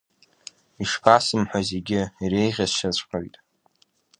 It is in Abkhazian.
Ишԥасымҳәо, зегьы иреиӷьасшьаҵәҟьоит…